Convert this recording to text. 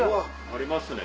ありますね。